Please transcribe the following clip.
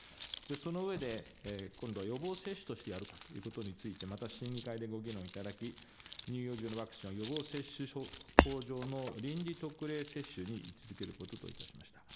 その上で、今度は予防接種としてやるかということについて、また審議会でご議論いただき、乳幼児用のワクチンを予防接種法上の臨時特例接種に位置づけることといたしました。